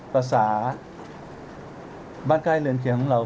ภาษาบ้านใกล้เรือนเคียงของเรา